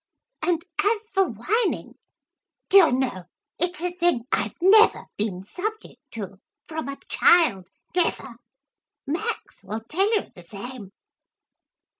And as for whining do you know it's a thing I've never been subject to, from a child, never. Max will tell you the same.'